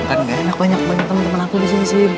kan enak banyak banget temen temen aku disini sin